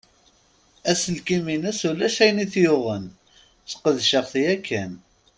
Aselkim-ines ulac ayen t-yuɣen. Sqedceɣ-t yakan.